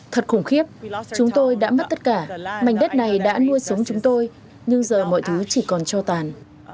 thật khủng khiếp chúng tôi đã mất tất cả mảnh đất này đã nuôi sống chúng tôi nhưng giờ mọi thứ chỉ còn cho tàn